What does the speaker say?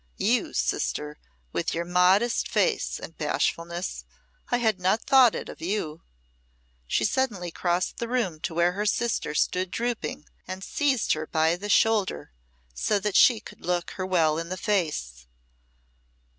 You, sister, with your modest face and bashfulness! I had not thought it of you." Suddenly she crossed the room to where her sister stood drooping, and seized her by the shoulder, so that she could look her well in the face.